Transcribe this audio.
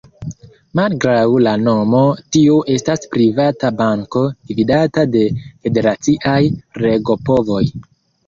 Malgraŭ la nomo tio estas privata banko gvidata de federaciaj regopovoj.